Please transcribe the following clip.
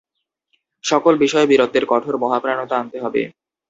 সকল বিষয়ে বীরত্বের কঠোর মহাপ্রাণতা আনতে হবে।